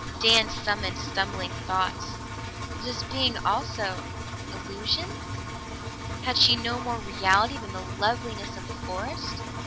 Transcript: Dan summoned stumbling thoughts. Was this being also illusion? Had she no more reality than the loveliness of the forest?